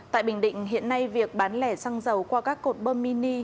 tại bình định hiện nay việc bán lẻ xăng dầu qua các cột bơm mini